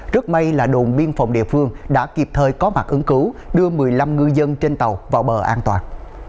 rất may là đồn biên phòng địa phương đã kịp thời có mặt ứng cứu đưa một mươi năm ngư dân trên tàu vào bờ an toàn